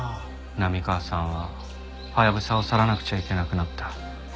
波川さんはハヤブサを去らなくちゃいけなくなった。